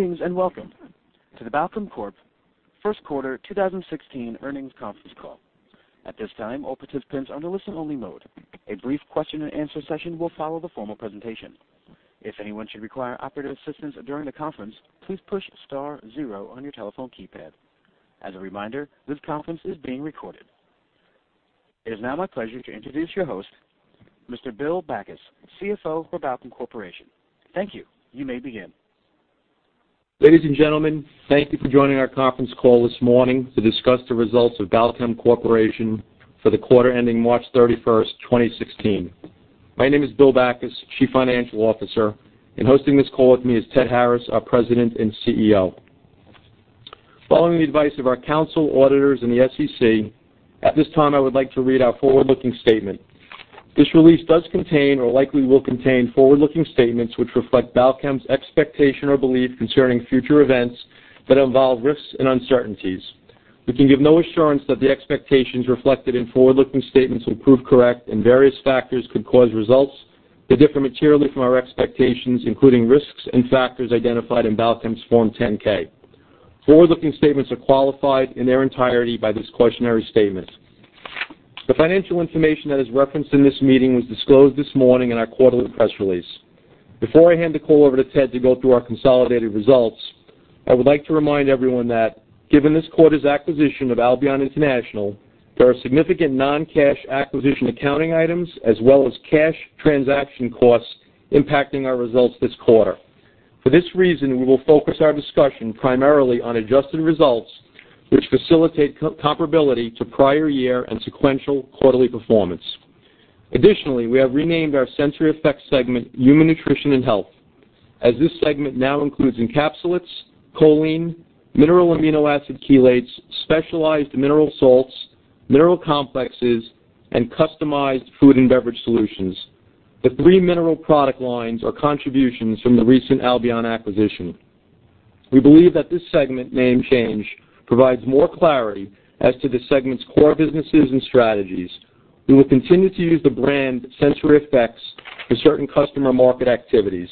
Greetings, and welcome to the Balchem Corp First Quarter 2016 Earnings Conference Call. At this time, all participants are in a listen-only mode. A brief question-and-answer session will follow the formal presentation. If anyone should require operative assistance during the conference, please push star zero on your telephone keypad. As a reminder, this conference is being recorded. It is now my pleasure to introduce your host, Mr. Bill Backus, CFO for Balchem Corporation. Thank you. You may begin. Ladies and gentlemen, thank you for joining our conference call this morning to discuss the results of Balchem Corporation for the quarter ending March 31, 2016. My name is Bill Backus, Chief Financial Officer, and hosting this call with me is Ted Harris, our President and CEO. Following the advice of our council auditors and the SEC, at this time, I would like to read our forward-looking statement. This release does contain or likely will contain forward-looking statements which reflect Balchem's expectation or belief concerning future events that involve risks and uncertainties. We can give no assurance that the expectations reflected in forward-looking statements will prove correct. Various factors could cause results to differ materially from our expectations, including risks and factors identified in Balchem's Form 10-K. Forward-looking statements are qualified in their entirety by this cautionary statement. The financial information that is referenced in this meeting was disclosed this morning in our quarterly press release. Before I hand the call over to Ted to go through our consolidated results, I would like to remind everyone that given this quarter's acquisition of Albion International, there are significant non-cash acquisition accounting items as well as cash transaction costs impacting our results this quarter. For this reason, we will focus our discussion primarily on adjusted results, which facilitate comparability to prior year and sequential quarterly performance. Additionally, we have renamed our SensoryEffects segment Human Nutrition & Health, as this segment now includes encapsulates, choline, mineral amino acid chelates, specialized mineral salts, mineral complexes, and customized food and beverage solutions. The three mineral product lines are contributions from the recent Albion acquisition. We believe that this segment name change provides more clarity as to the segment's core businesses and strategies. We will continue to use the brand SensoryEffects for certain customer market activities.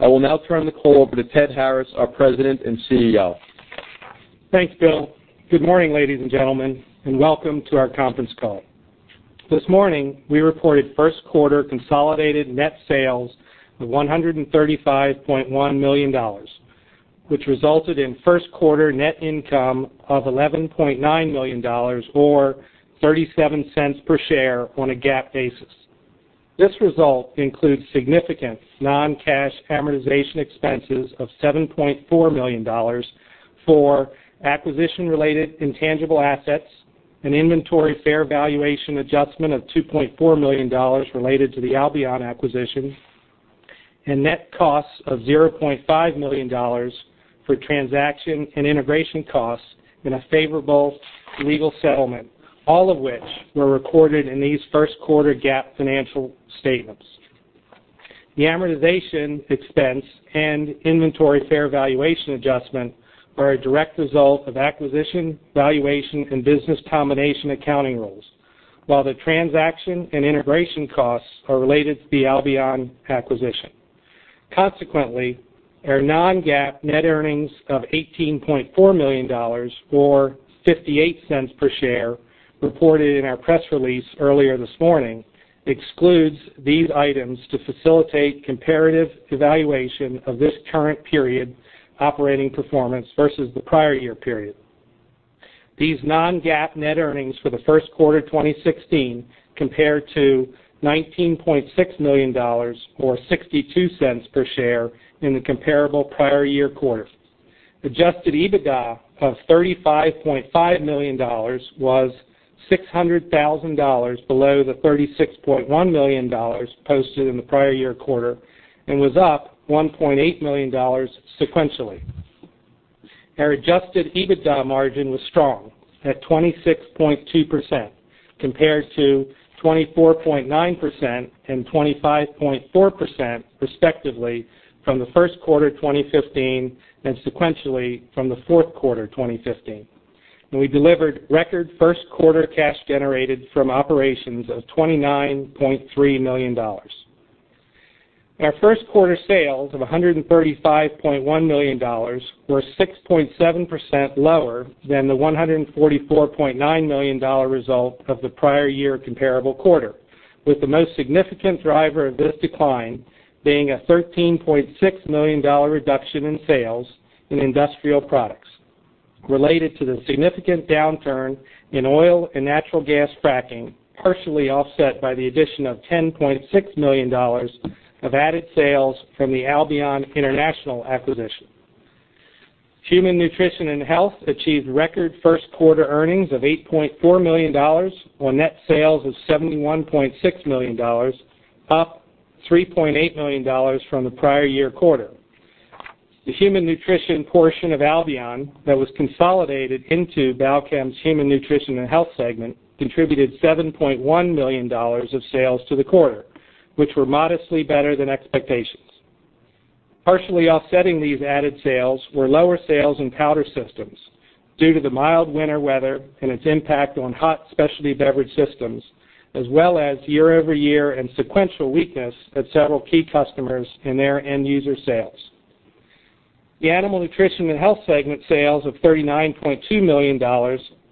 I will now turn the call over to Ted Harris, our President and CEO. Thanks, Bill. Good morning, ladies and gentlemen, and welcome to our conference call. This morning, we reported first quarter consolidated net sales of $135.1 million, which resulted in first quarter net income of $11.9 million or $0.37 per share on a GAAP basis. This result includes significant non-cash amortization expenses of $7.4 million for acquisition-related intangible assets, an inventory fair valuation adjustment of $2.4 million related to the Albion acquisition, and net costs of $0.5 million for transaction and integration costs in a favorable legal settlement, all of which were recorded in these first quarter GAAP financial statements. The amortization expense and inventory fair valuation adjustment are a direct result of acquisition, valuation, and business combination accounting rules, while the transaction and integration costs are related to the Albion acquisition. Our non-GAAP net earnings of $18.4 million or $0.58 per share reported in our press release earlier this morning excludes these items to facilitate comparative evaluation of this current period operating performance versus the prior year period. These non-GAAP net earnings for the first quarter 2016 compared to $19.6 million or $0.62 per share in the comparable prior year quarter. Adjusted EBITDA of $35.5 million was $600,000 below the $36.1 million posted in the prior year quarter and was up $1.8 million sequentially. Our adjusted EBITDA margin was strong at 26.2% compared to 24.9% and 25.4% respectively from the first quarter 2015 and sequentially from the fourth quarter 2015. We delivered record first quarter cash generated from operations of $29.3 million. Our first quarter sales of $135.1 million were 6.7% lower than the $144.9 million result of the prior year comparable quarter, with the most significant driver of this decline being a $13.6 million reduction in sales in industrial products related to the significant downturn in oil and natural gas fracking, partially offset by the addition of $10.6 million of added sales from the Albion International acquisition. Human Nutrition & Health achieved record first-quarter earnings of $8.4 million on net sales of $71.6 million, up $3.8 million from the prior year quarter. The Human Nutrition portion of Albion that was consolidated into Balchem's Human Nutrition & Health segment contributed $7.1 million of sales to the quarter, which were modestly better than expectations. Partially offsetting these added sales were lower sales in powder systems due to the mild winter weather and its impact on hot specialty beverage systems, as well as year-over-year and sequential weakness at several key customers and their end-user sales. The Animal Nutrition & Health segment sales of $39.2 million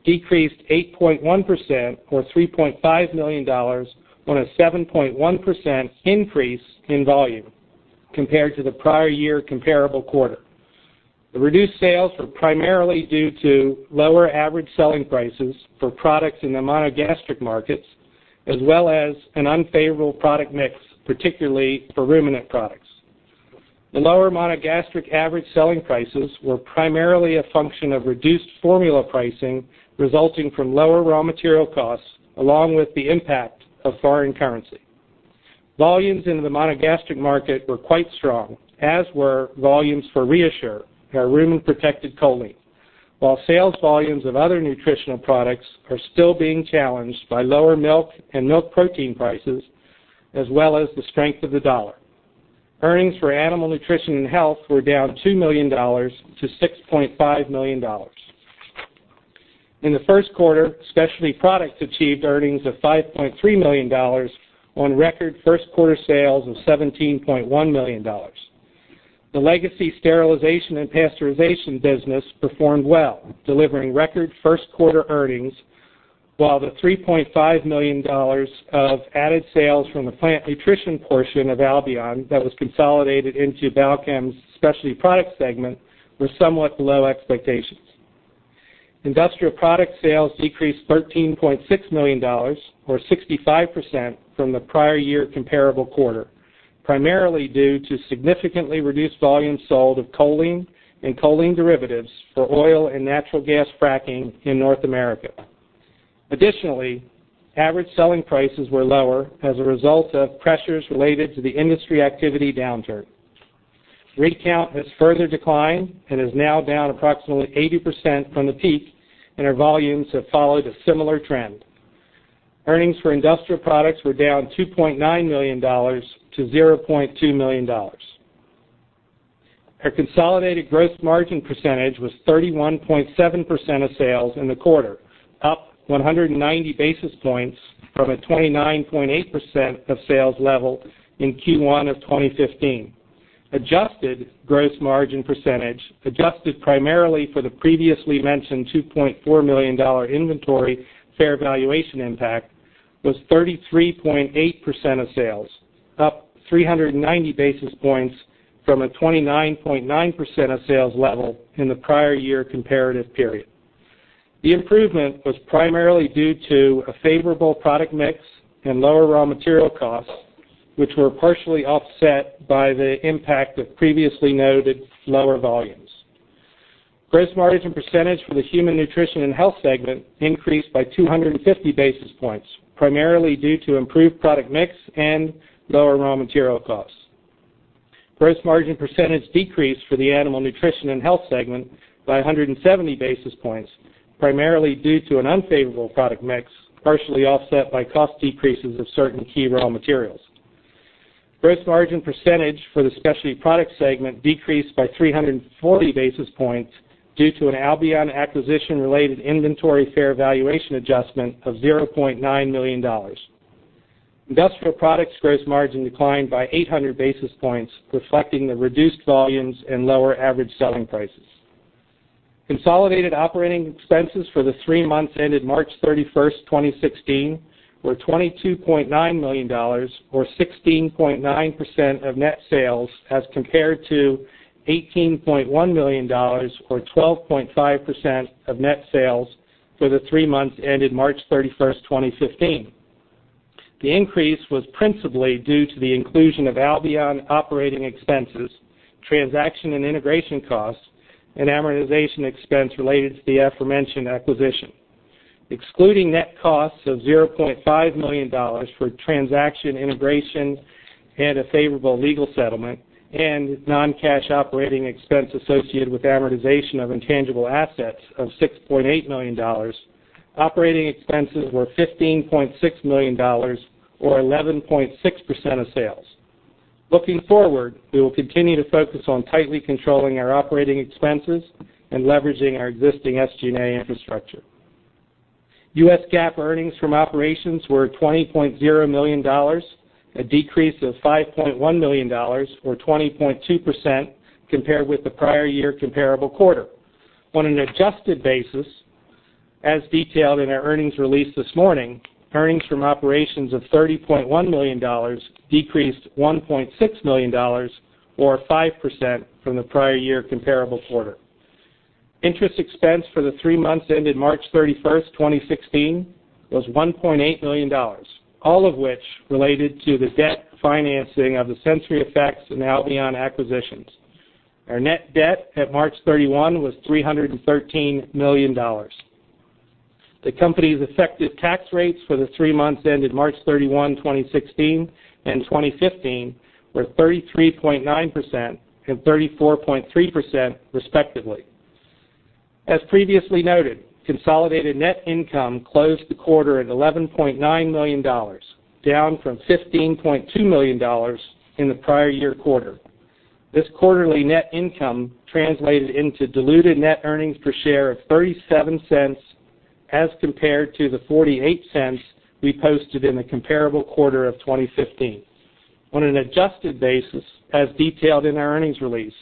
decreased 8.1%, or $3.5 million, on a 7.1% increase in volume compared to the prior year comparable quarter. The reduced sales were primarily due to lower average selling prices for products in the monogastric markets, as well as an unfavorable product mix, particularly for ruminant products. The lower monogastric average selling prices were primarily a function of reduced formula pricing resulting from lower raw material costs, along with the impact of foreign currency. Volumes in the monogastric market were quite strong, as were volumes for ReaShure, our rumen-protected choline. While sales volumes of other nutritional products are still being challenged by lower milk and milk protein prices, as well as the strength of the dollar. Earnings for Animal Nutrition & Health were down $2 million to $6.5 million. In the first quarter, Specialty Products achieved earnings of $5.3 million on record first-quarter sales of $17.1 million. The legacy sterilization and pasteurization business performed well, delivering record first-quarter earnings, while the $3.5 million of added sales from the plant nutrition portion of Albion that was consolidated into Balchem's Specialty Products segment were somewhat below expectations. Industrial product sales decreased $13.6 million, or 65%, from the prior year comparable quarter, primarily due to significantly reduced volumes sold of choline and choline derivatives for oil and natural gas fracking in North America. Additionally, average selling prices were lower as a result of pressures related to the industry activity downturn. Rig count has further declined and is now down approximately 80% from the peak, and our volumes have followed a similar trend. Earnings for Industrial Products were down $2.9 million to $0.2 million. Our consolidated gross margin percentage was 31.7% of sales in the quarter, up 190 basis points from a 29.8% of sales level in Q1 of 2015. Adjusted gross margin percentage, adjusted primarily for the previously mentioned $2.4 million inventory fair valuation impact, was 33.8% of sales, up 390 basis points from a 29.9% of sales level in the prior year comparative period. The improvement was primarily due to a favorable product mix and lower raw material costs, which were partially offset by the impact of previously noted lower volumes. Gross margin percentage for the Human Nutrition & Health segment increased by 250 basis points, primarily due to improved product mix and lower raw material costs. Gross margin percentage decreased for the Animal Nutrition & Health segment by 170 basis points, primarily due to an unfavorable product mix, partially offset by cost decreases of certain key raw materials. Gross margin percentage for the Specialty Products segment decreased by 340 basis points due to an Albion acquisition-related inventory fair valuation adjustment of $0.9 million. Industrial Products' gross margin declined by 800 basis points, reflecting the reduced volumes and lower average selling prices. Consolidated operating expenses for the three months ended March 31st, 2016, were $22.9 million, or 16.9% of net sales, as compared to $18.1 million, or 12.5% of net sales for the three months ended March 31st, 2015. The increase was principally due to the inclusion of Albion operating expenses, transaction and integration costs, and amortization expense related to the aforementioned acquisition. Excluding net costs of $0.5 million for transaction integration and a favorable legal settlement, and non-cash operating expense associated with amortization of intangible assets of $6.8 million, operating expenses were $15.6 million, or 11.6% of sales. Looking forward, we will continue to focus on tightly controlling our operating expenses and leveraging our existing SG&A infrastructure. U.S. GAAP earnings from operations were $20.0 million, a decrease of $5.1 million, or 20.2%, compared with the prior year comparable quarter. On an adjusted basis, as detailed in our earnings release this morning, earnings from operations of $30.1 million decreased $1.6 million, or 5%, from the prior year comparable quarter. Interest expense for the three months ended March 31st, 2016, was $1.8 million, all of which related to the debt financing of the SensoryEffects and Albion acquisitions. Our net debt at March 31 was $313 million. The company's effective tax rates for the three months ended March 31, 2016, and 2015, were 33.9% and 34.3%, respectively. As previously noted, consolidated net income closed the quarter at $11.9 million, down from $15.2 million in the prior year quarter. This quarterly net income translated into diluted net earnings per share of $0.37, as compared to the $0.48 we posted in the comparable quarter of 2015. On an adjusted basis, as detailed in our earnings release,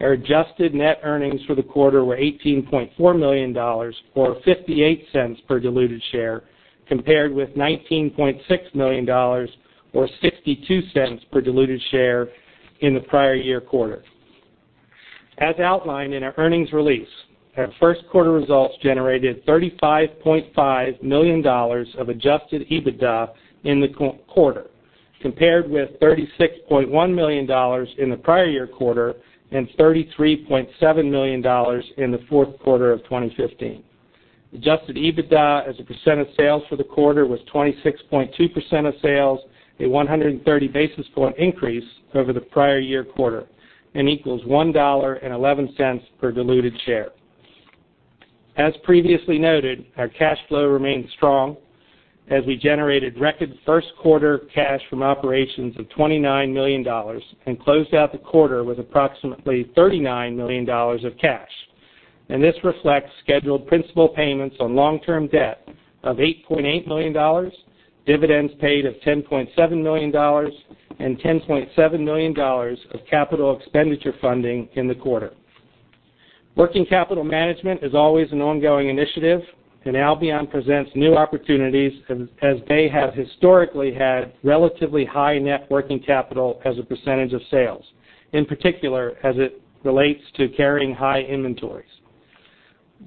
our adjusted net earnings for the quarter were $18.4 million, or $0.58 per diluted share, compared with $19.6 million or $0.62 per diluted share in the prior year quarter. As outlined in our earnings release, our first quarter results generated $35.5 million of adjusted EBITDA in the quarter, compared with $36.1 million in the prior year quarter and $33.7 million in the fourth quarter of 2015. Adjusted EBITDA as a percent of sales for the quarter was 26.2% of sales, a 130 basis point increase over the prior year quarter, and equals $1.11 per diluted share. As previously noted, our cash flow remains strong as we generated record first quarter cash from operations of $29 million and closed out the quarter with approximately $39 million of cash. This reflects scheduled principal payments on long-term debt of $8.8 million, dividends paid of $10.7 million, and $10.7 million of capital expenditure funding in the quarter. Working capital management is always an ongoing initiative, and Albion presents new opportunities as they have historically had relatively high net working capital as a percentage of sales, in particular as it relates to carrying high inventories.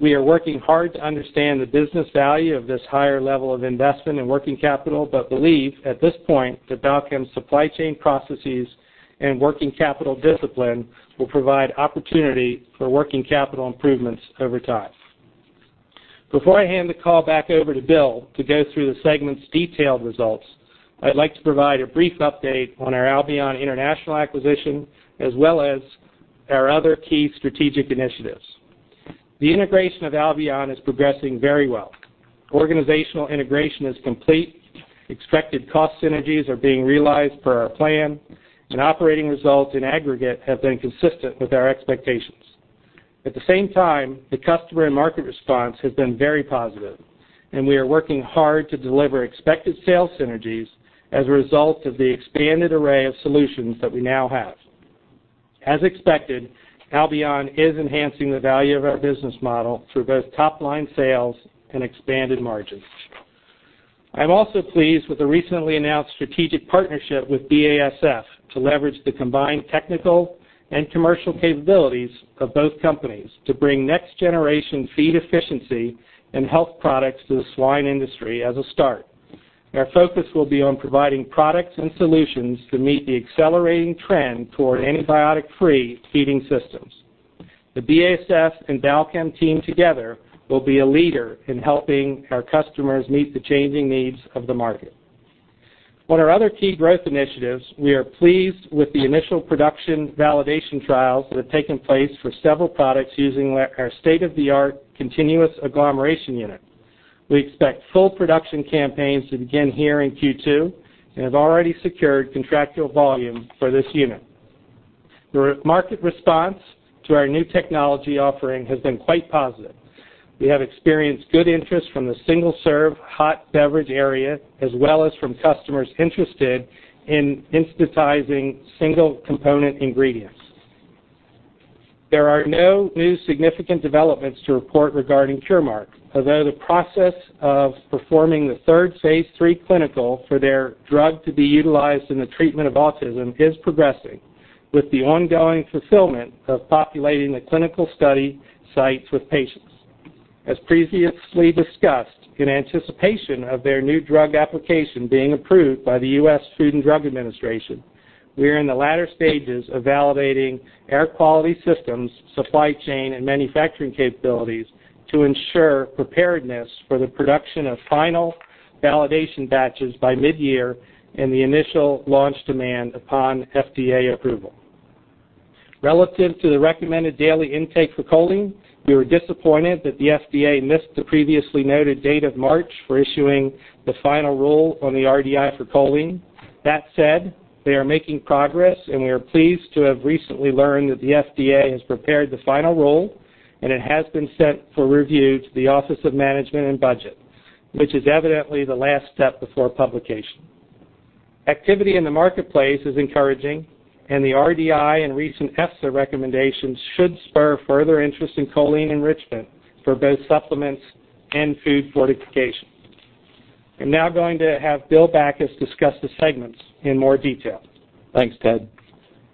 We are working hard to understand the business value of this higher level of investment in working capital, but believe at this point that Balchem's supply chain processes and working capital discipline will provide opportunity for working capital improvements over time. Before I hand the call back over to Bill to go through the segment's detailed results, I'd like to provide a brief update on our Albion International acquisition as well as our other key strategic initiatives. The integration of Albion is progressing very well. Organizational integration is complete. Expected cost synergies are being realized per our plan, and operating results in aggregate have been consistent with our expectations. At the same time, the customer and market response has been very positive, and we are working hard to deliver expected sales synergies as a result of the expanded array of solutions that we now have. As expected, Albion is enhancing the value of our business model through both top-line sales and expanded margins. I'm also pleased with the recently announced strategic partnership with BASF to leverage the combined technical and commercial capabilities of both companies to bring next-generation feed efficiency and health products to the swine industry as a start. Our focus will be on providing products and solutions to meet the accelerating trend toward antibiotic-free feeding systems. The BASF and Balchem team together will be a leader in helping our customers meet the changing needs of the market. On our other key growth initiatives, we are pleased with the initial production validation trials that have taken place for several products using our state-of-the-art continuous agglomeration unit. We expect full production campaigns to begin here in Q2 and have already secured contractual volume for this unit. The market response to our new technology offering has been quite positive. We have experienced good interest from the single-serve hot beverage area as well as from customers interested in instantizing single component ingredients. There are no new significant developments to report regarding Curemark, although the process of performing the phase III clinical for their drug to be utilized in the treatment of autism is progressing with the ongoing fulfillment of populating the clinical study sites with patients. As previously discussed, in anticipation of their new drug application being approved by the U.S. Food and Drug Administration, we are in the latter stages of validating air quality systems, supply chain, and manufacturing capabilities to ensure preparedness for the production of final validation batches by mid-year and the initial launch demand upon FDA approval. Relative to the Recommended Dietary Intake for choline, we were disappointed that the FDA missed the previously noted date of March for issuing the final rule on the RDI for choline. That said, they are making progress, and we are pleased to have recently learned that the FDA has prepared the final rule, and it has been sent for review to the Office of Management and Budget, which is evidently the last step before publication. Activity in the marketplace is encouraging, and the RDI and recent EFSA recommendations should spur further interest in choline enrichment for both supplements and food fortification. I'm now going to have Bill Backus discuss the segments in more detail. Thanks, Ted.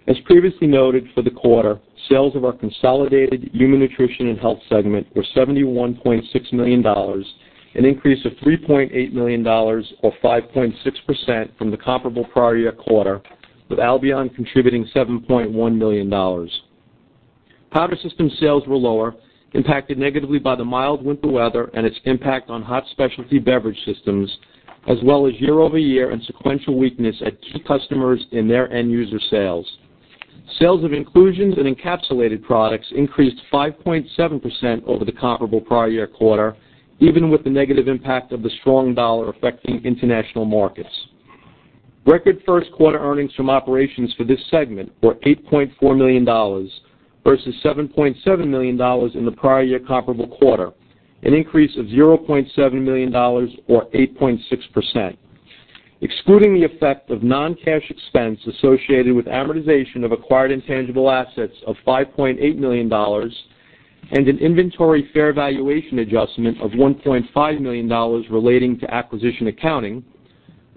As previously noted for the quarter, sales of our consolidated Human Nutrition & Health segment were $71.6 million, an increase of $3.8 million or 5.6% from the comparable prior year quarter, with Albion contributing $7.1 million. Powder system sales were lower, impacted negatively by the mild winter weather and its impact on hot specialty beverage systems as well as year-over-year and sequential weakness at key customers in their end user sales. Sales of inclusions in encapsulated products increased 5.7% over the comparable prior year quarter, even with the negative impact of the strong dollar affecting international markets. Record first quarter earnings from operations for this segment were $8.4 million, versus $7.7 million in the prior year comparable quarter, an increase of $0.7 million, or 8.6%. Excluding the effect of non-cash expense associated with amortization of acquired intangible assets of $5.8 million, and an inventory fair valuation adjustment of $1.5 million relating to acquisition accounting,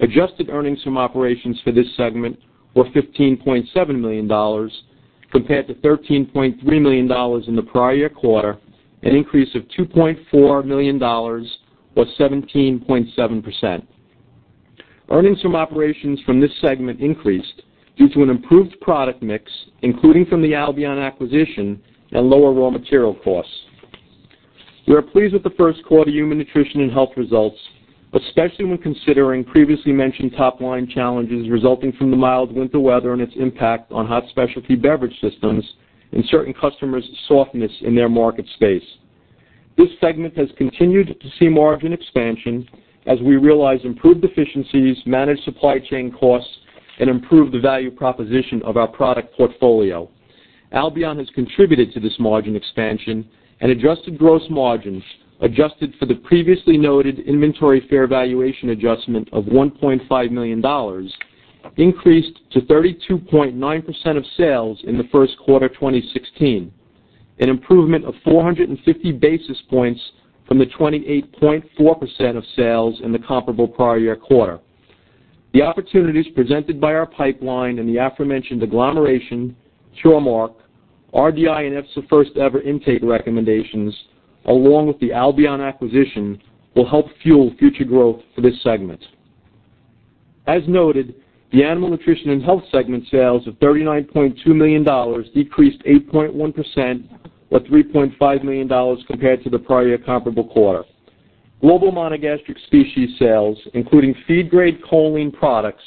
adjusted earnings from operations for this segment were $15.7 million, compared to $13.3 million in the prior year quarter, an increase of $2.4 million, or 17.7%. Earnings from operations from this segment increased due to an improved product mix, including from the Albion acquisition and lower raw material costs. We are pleased with the first quarter Human Nutrition & Health results, especially when considering previously mentioned top-line challenges resulting from the mild winter weather and its impact on hot specialty beverage systems and certain customers' softness in their market space. This segment has continued to see margin expansion as we realize improved efficiencies, manage supply chain costs, and improve the value proposition of our product portfolio. Albion has contributed to this margin expansion, and adjusted gross margins, adjusted for the previously noted inventory fair valuation adjustment of $1.5 million, increased to 32.9% of sales in the first quarter 2016, an improvement of 450 basis points from the 28.4% of sales in the comparable prior year quarter. The opportunities presented by our pipeline and the aforementioned agglomeration, Curemark, RDI and EFSA's first-ever intake recommendations, along with the Albion acquisition, will help fuel future growth for this segment. As noted, the Animal Nutrition & Health segment sales of $39.2 million decreased 8.1%, or $3.5 million, compared to the prior year comparable quarter. Global monogastric species sales, including feed-grade choline products,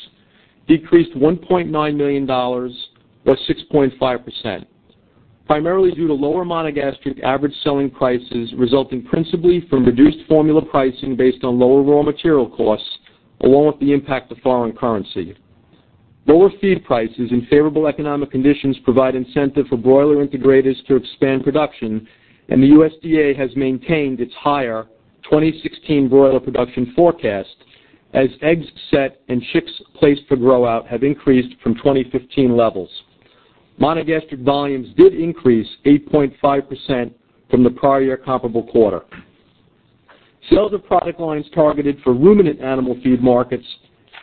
decreased $1.9 million, or 6.5%, primarily due to lower monogastric average selling prices resulting principally from reduced formula pricing based on lower raw material costs, along with the impact of foreign currency. Lower feed prices and favorable economic conditions provide incentive for broiler integrators to expand production, and the USDA has maintained its higher 2016 broiler production forecast as eggs set and chicks placed for grow-out have increased from 2015 levels. Monogastric volumes did increase 8.5% from the prior year comparable quarter. Sales of product lines targeted for ruminant animal feed markets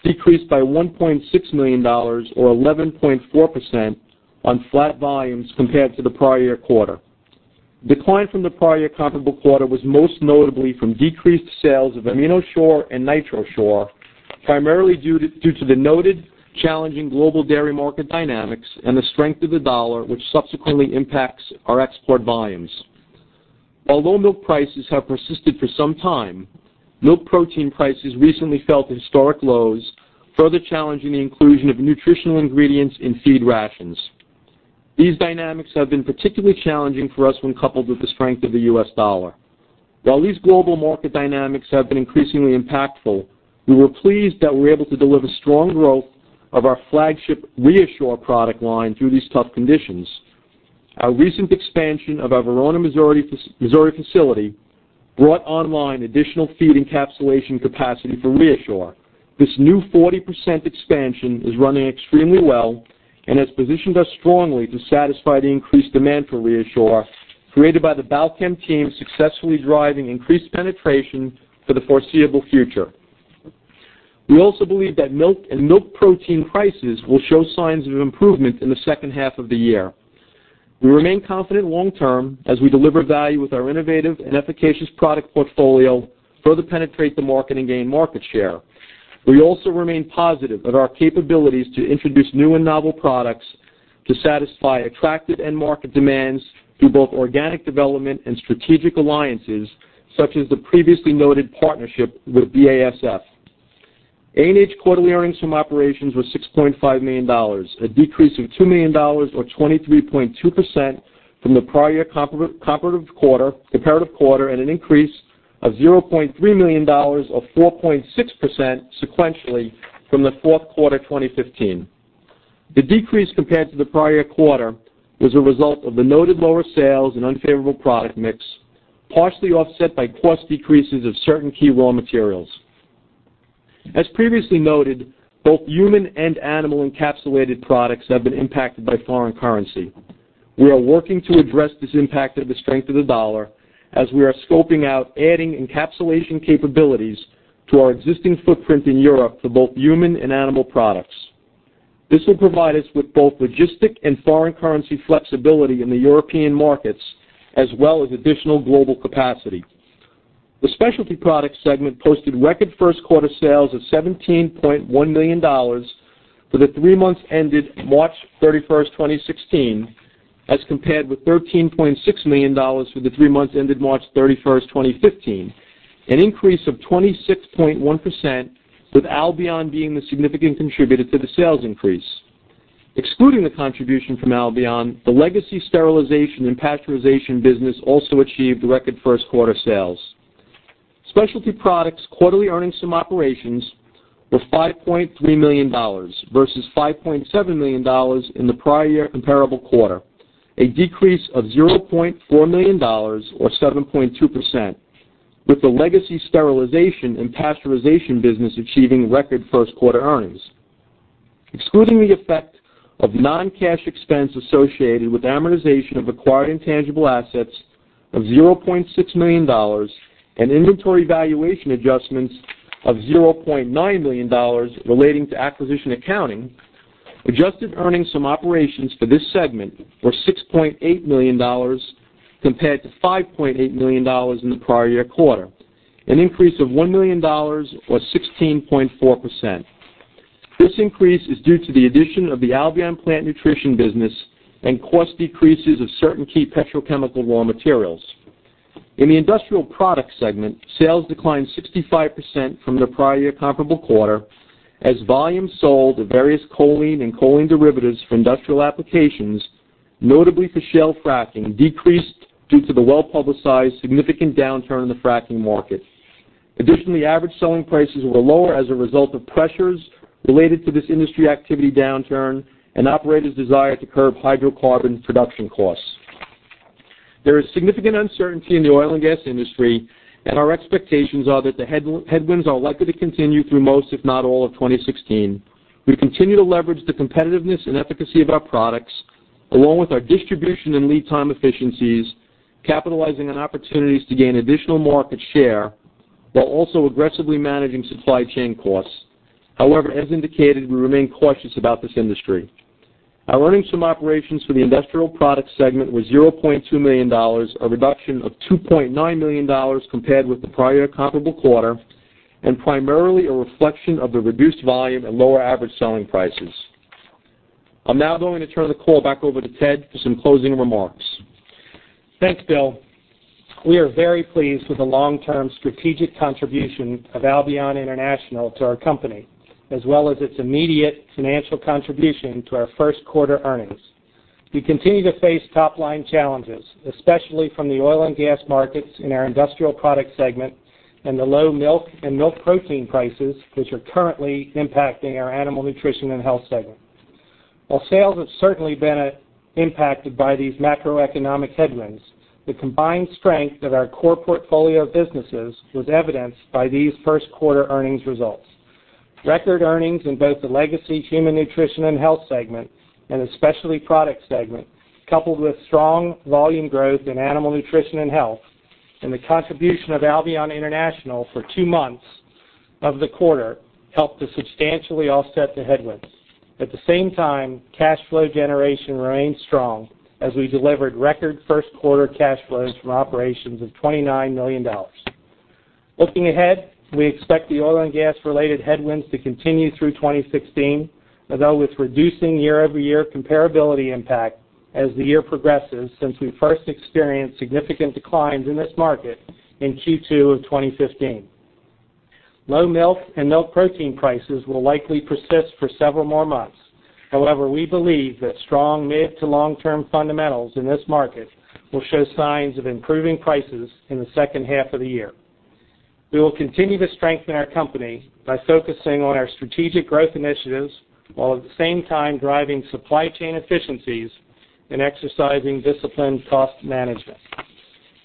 decreased by $1.6 million, or 11.4%, on flat volumes compared to the prior year quarter. Decline from the prior year comparable quarter was most notably from decreased sales of AminoShure and NitroShure, primarily due to the noted challenging global dairy market dynamics and the strength of the dollar, which subsequently impacts our export volumes. Although milk prices have persisted for some time, milk protein prices recently fell to historic lows, further challenging the inclusion of nutritional ingredients in feed rations. These dynamics have been particularly challenging for us when coupled with the strength of the U.S. dollar. While these global market dynamics have been increasingly impactful, we were pleased that we were able to deliver strong growth of our flagship ReaShure product line through these tough conditions. Our recent expansion of our Verona, Missouri facility brought online additional feed encapsulation capacity for ReaShure. This new 40% expansion is running extremely well and has positioned us strongly to satisfy the increased demand for ReaShure, created by the Balchem team successfully driving increased penetration for the foreseeable future. We also believe that milk and milk protein prices will show signs of improvement in the second half of the year. We remain confident long term as we deliver value with our innovative and efficacious product portfolio, further penetrate the market, and gain market share. We also remain positive of our capabilities to introduce new and novel products to satisfy attractive end market demands through both organic development and strategic alliances, such as the previously noted partnership with BASF. ANH quarterly earnings from operations were $6.5 million, a decrease of $2 million, or 23.2%, from the prior year comparative quarter, and an increase of $0.3 million, or 4.6%, sequentially from the fourth quarter 2015. The decrease compared to the prior quarter was a result of the noted lower sales and unfavorable product mix, partially offset by cost decreases of certain key raw materials. As previously noted, both human and animal encapsulated products have been impacted by foreign currency. We are working to address this impact of the strength of the dollar as we are scoping out adding encapsulation capabilities to our existing footprint in Europe for both human and animal products. This will provide us with both logistic and foreign currency flexibility in the European markets, as well as additional global capacity. The Specialty Products Segment posted record first quarter sales of $17.1 million for the three months ended March 31st, 2016, as compared with $13.6 million for the three months ended March 31st, 2015, an increase of 26.1%, with Albion being the significant contributor to the sales increase. Excluding the contribution from Albion, the legacy sterilization and pasteurization business also achieved record first quarter sales. Specialty Products quarterly earnings from operations were $5.3 million versus $5.7 million in the prior year comparable quarter, a decrease of $0.4 million or 7.2%, with the legacy sterilization and pasteurization business achieving record first quarter earnings. Excluding the effect of non-cash expense associated with amortization of acquired intangible assets of $0.6 million and inventory valuation adjustments of $0.9 million relating to acquisition accounting, adjusted earnings from operations for this segment were $6.8 million compared to $5.8 million in the prior year quarter, an increase of $1 million or 16.4%. This increase is due to the addition of the Albion Plant Nutrition business and cost decreases of certain key petrochemical raw materials. In the Industrial Products Segment, sales declined 65% from the prior year comparable quarter, as volume sold of various choline and choline derivatives for industrial applications, notably for shale fracking, decreased due to the well-publicized significant downturn in the fracking market. Additionally, average selling prices were lower as a result of pressures related to this industry activity downturn and operators' desire to curb hydrocarbon production costs. There is significant uncertainty in the oil and gas industry, and our expectations are that the headwinds are likely to continue through most, if not all, of 2016. We continue to leverage the competitiveness and efficacy of our products, along with our distribution and lead time efficiencies, capitalizing on opportunities to gain additional market share while also aggressively managing supply chain costs. However, as indicated, we remain cautious about this industry. Our earnings from operations for the Industrial Products Segment were $0.2 million, a reduction of $2.9 million compared with the prior comparable quarter, and primarily a reflection of the reduced volume and lower average selling prices. I'm now going to turn the call back over to Ted for some closing remarks. Thanks, Bill. We are very pleased with the long-term strategic contribution of Albion International to our company, as well as its immediate financial contribution to our first quarter earnings. We continue to face top-line challenges, especially from the oil and gas markets in our Industrial Products Segment and the low milk and milk protein prices, which are currently impacting our Animal Nutrition & Health Segment. While sales have certainly been impacted by these macroeconomic headwinds, the combined strength of our core portfolio of businesses was evidenced by these first quarter earnings results. Record earnings in both the legacy Human Nutrition & Health Segment and the Specialty Product Segment, coupled with strong volume growth in Animal Nutrition & Health and the contribution of Albion International for two months of the quarter, helped to substantially offset the headwinds. At the same time, cash flow generation remained strong as we delivered record first quarter cash flows from operations of $29 million. Looking ahead, we expect the oil and gas-related headwinds to continue through 2016, although with reducing year-over-year comparability impact as the year progresses since we first experienced significant declines in this market in Q2 of 2015. Low milk and milk protein prices will likely persist for several more months. However, we believe that strong mid- to long-term fundamentals in this market will show signs of improving prices in the second half of the year. We will continue to strengthen our company by focusing on our strategic growth initiatives, while at the same time driving supply chain efficiencies and exercising disciplined cost management.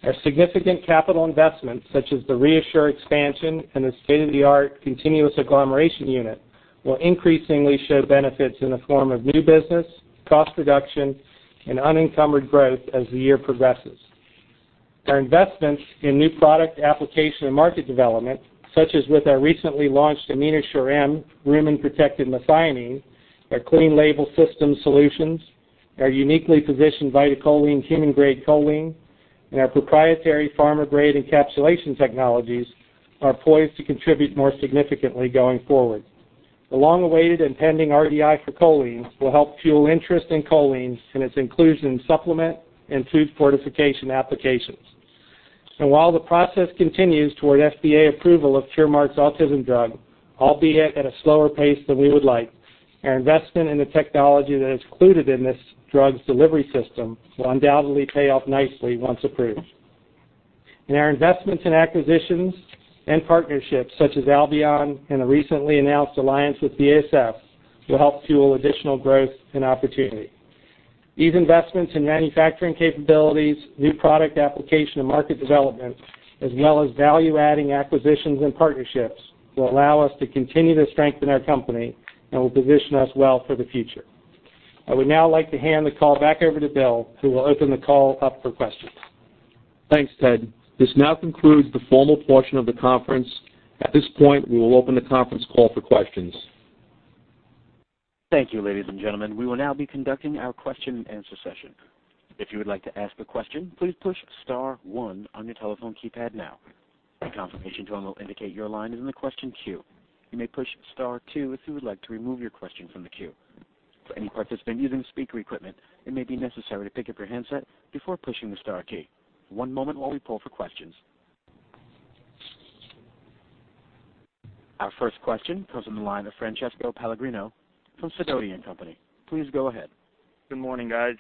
Our significant capital investments, such as the ReaShure expansion and the state-of-the-art continuous agglomeration unit, will increasingly show benefits in the form of new business, cost reduction, and unencumbered growth as the year progresses. Our investments in new product application and market development, such as with our recently launched AminoShure-M rumen protected methionine, our clean-label system solutions, our uniquely positioned VitaCholine human-grade choline, and our proprietary pharma-grade encapsulation technologies are poised to contribute more significantly going forward. The long-awaited and pending RDI for choline will help fuel interest in choline and its inclusion in supplement and food fortification applications. While the process continues toward FDA approval of Curemark's autism drug, albeit at a slower pace than we would like, our investment in the technology that is included in this drug's delivery system will undoubtedly pay off nicely once approved. Our investments in acquisitions and partnerships such as Albion and the recently announced alliance with BASF will help fuel additional growth and opportunity. These investments in manufacturing capabilities, new product application and market development, as well as value-adding acquisitions and partnerships, will allow us to continue to strengthen our company and will position us well for the future. I would now like to hand the call back over to Bill, who will open the call up for questions. Thanks, Ted. This now concludes the formal portion of the conference. At this point, we will open the conference call for questions. Thank you, ladies and gentlemen. We will now be conducting our question and answer session. If you would like to ask a question, please push star one on your telephone keypad now. A confirmation tone will indicate your line is in the question queue. You may push star two if you would like to remove your question from the queue. For any participant using speaker equipment, it may be necessary to pick up your handset before pushing the star key. One moment while we poll for questions. Our first question comes from the line of Francesco Pellegrino from Sidoti & Company. Please go ahead. Good morning, guys.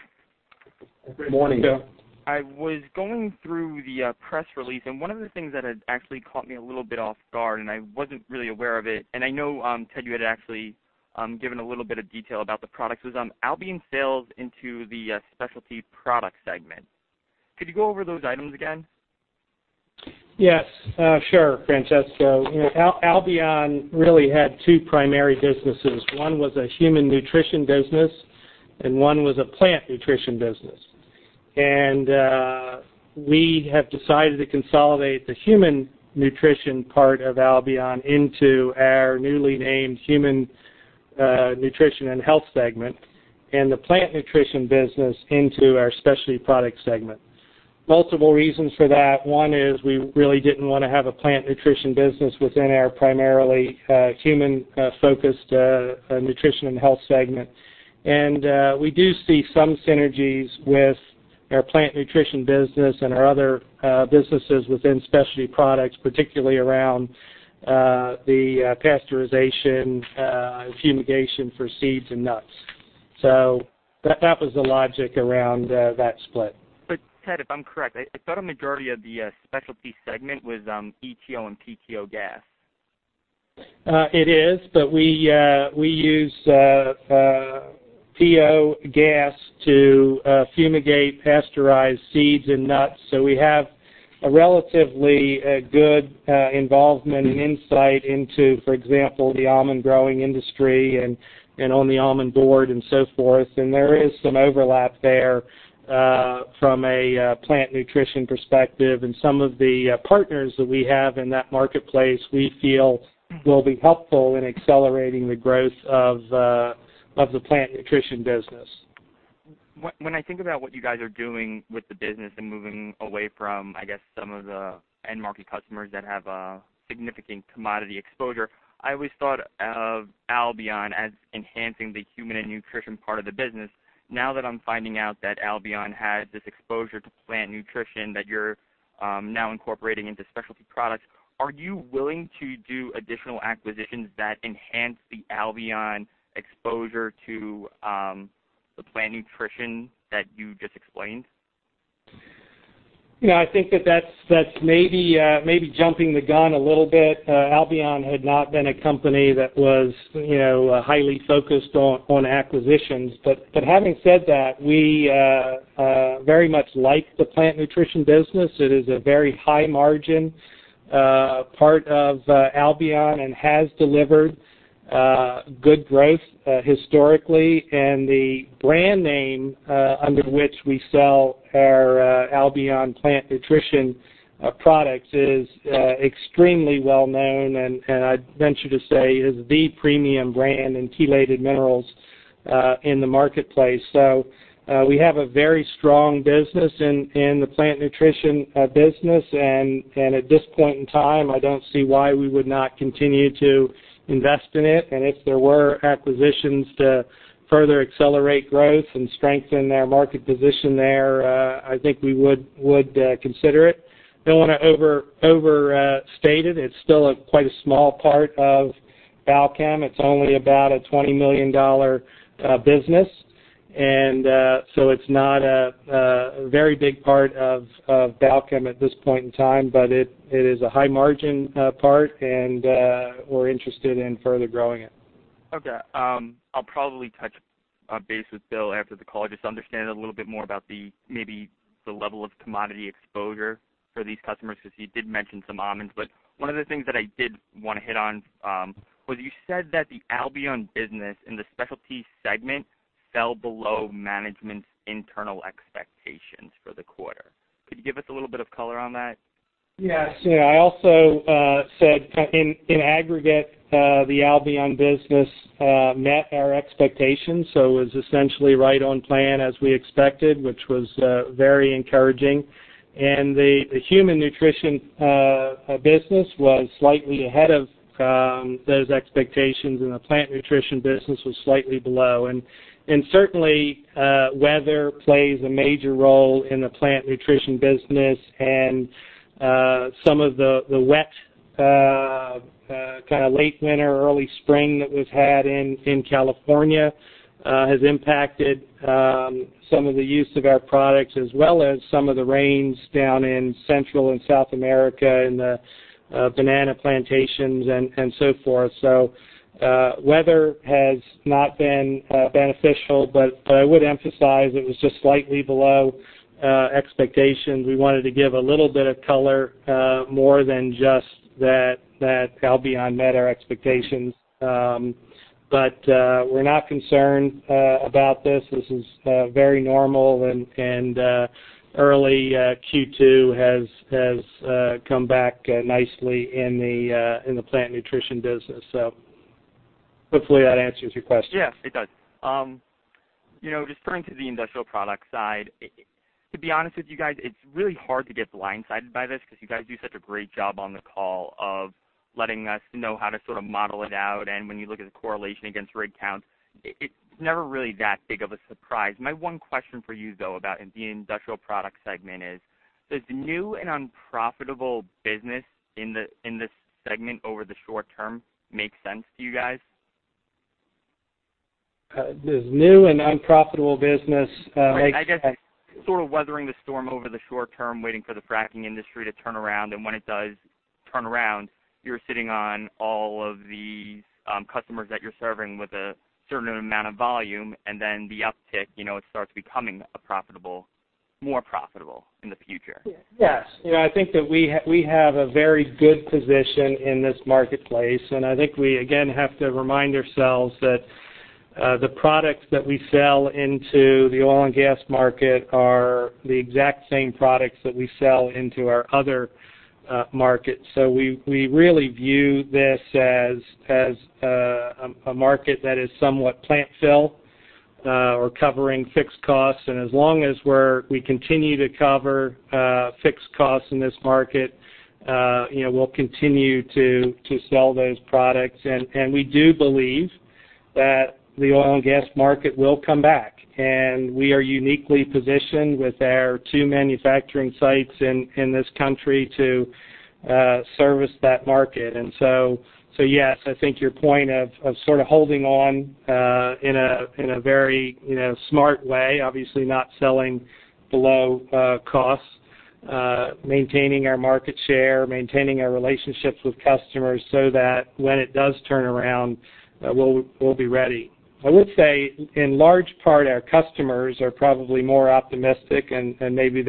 Good morning, Francesco. I was going through the press release. One of the things that had actually caught me a little bit off guard. I wasn't really aware of it. I know, Ted, you had actually given a little bit of detail about the products, was Albion sales into the specialty product segment. Could you go over those items again? Yes. Sure, Francesco. Albion really had two primary businesses. One was a human nutrition business and one was a plant nutrition business. We have decided to consolidate the human nutrition part of Albion into our newly named Human Nutrition & Health segment, and the plant nutrition business into our Specialty Products segment. Multiple reasons for that. One is we really didn't want to have a plant nutrition business within our primarily human-focused Human Nutrition & Health segment. We do see some synergies with our plant nutrition business and our other businesses within Specialty Products, particularly around the pasteurization fumigation for seeds and nuts. That was the logic around that split. Ted, if I'm correct, I thought a majority of the Specialty Products segment was EtO and PO gas. It is. We use PO gas to fumigate pasteurized seeds and nuts. We have a relatively good involvement and insight into, for example, the almond growing industry and on the almond board and so forth. There is some overlap there from a plant nutrition perspective. Some of the partners that we have in that marketplace, we feel will be helpful in accelerating the growth of the plant nutrition business. When I think about what you guys are doing with the business and moving away from, I guess, some of the end market customers that have a significant commodity exposure, I always thought of Albion as enhancing the human and nutrition part of the business. Now that I'm finding out that Albion has this exposure to plant nutrition that you're now incorporating into Specialty Products, are you willing to do additional acquisitions that enhance the Albion exposure to the plant nutrition that you just explained? I think that's maybe jumping the gun a little bit. Albion had not been a company that was highly focused on acquisitions. Having said that, we very much like the Plant Nutrition business. It is a very high margin part of Albion and has delivered good growth historically. The brand name under which we sell our Albion Plant Nutrition products is extremely well-known, and I'd venture to say is the premium brand in chelated minerals in the marketplace. We have a very strong business in the Plant Nutrition business, and at this point in time, I don't see why we would not continue to invest in it, and if there were acquisitions to further accelerate growth and strengthen our market position there, I think we would consider it. Don't want to overstate it. It's still quite a small part of Balchem. It's only about a $20 million business. It's not a very big part of Balchem at this point in time, but it is a high margin part, and we're interested in further growing it. Okay. I'll probably touch base with Bill after the call, just to understand a little bit more about maybe the level of commodity exposure for these customers, because he did mention some almonds. One of the things that I did want to hit on was you said that the Albion business in the specialty segment fell below management's internal expectations for the quarter. Could you give us a little bit of color on that? Yes. I also said in aggregate, the Albion business met our expectations, it was essentially right on plan as we expected, which was very encouraging. The Human Nutrition & Health business was slightly ahead of those expectations, the Plant Nutrition business was slightly below. Certainly, weather plays a major role in the Plant Nutrition business, and some of the wet kind of late winter, early spring that was had in California has impacted some of the use of our products, as well as some of the rains down in Central and South America in the banana plantations and so forth. Weather has not been beneficial, but I would emphasize it was just slightly below expectations. We wanted to give a little bit of color more than just that Albion met our expectations. We're not concerned about this. This is very normal, early Q2 has come back nicely in the plant nutrition business. Hopefully that answers your question. Yes, it does. Just referring to the industrial product side, to be honest with you guys, it's really hard to get blindsided by this because you guys do such a great job on the call of letting us know how to sort of model it out. When you look at the correlation against rig counts, it's never really that big of a surprise. My one question for you, though, about the industrial product segment is, does new and unprofitable business in this segment over the short term make sense to you guys? This new and unprofitable business makes- Right. I guess sort of weathering the storm over the short term, waiting for the fracking industry to turn around, when it does turn around, you're sitting on all of the customers that you're serving with a certain amount of volume, then the uptick, it starts becoming more profitable in the future. Yes. I think that we have a very good position in this marketplace. I think we, again, have to remind ourselves that the products that we sell into the oil and gas market are the exact same products that we sell into our other markets. We really view this as a market that is somewhat plant fill, or covering fixed costs. As long as we continue to cover fixed costs in this market, we'll continue to sell those products. We do believe that the oil and gas market will come back, and we are uniquely positioned with our two manufacturing sites in this country to service that market. Yes, I think your point of sort of holding on in a very smart way, obviously not selling below costs, maintaining our market share, maintaining our relationships with customers that when it does turn around, we'll be ready. I would say, in large part, our customers are probably more optimistic, maybe